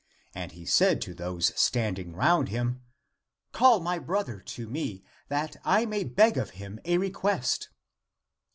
And he said to those standing round him, " Call my brother to me, that I may beg of him a request."